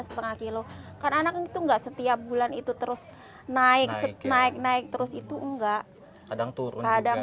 setengah kilo karena itu enggak setiap bulan itu terus naik naik naik terus itu enggak kadang turun